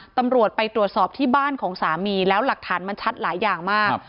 ตำรวจไปตรวจสอบที่บ้านของสามีแล้วหลักฐานมันชัดหลายอย่างมาก